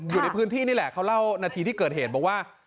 อยู่ในพื้นที่นี่แหละเขาเล่านาทีที่เกิดเหตุบอกว่า